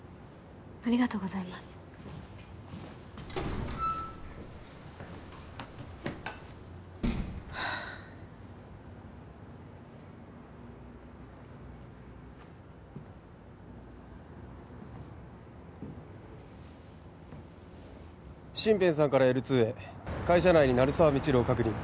ありがとうございますシンペン３からＬ２へ会社内に鳴沢未知留を確認